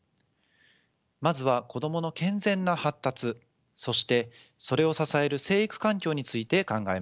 まずは子どもの健全な発達そしてそれを支える成育環境について考えます。